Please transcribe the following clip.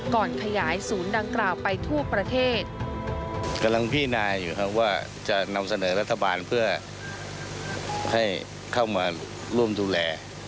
ก่อนขยายศูนย์ดังกล่าวไปทั่วประเทศกำลังพินาอยู่ครับว่าจะนำเสนอรัฐบาลเพื่อให้เข้ามาร่วมดูแล